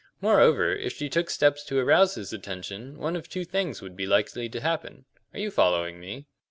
Moreover, if she took steps to arouse his attention one of two things would be likely to happen. Are you following me?"